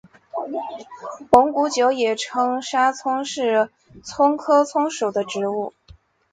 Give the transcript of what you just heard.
蒙古韭也称沙葱是葱科葱属的植物。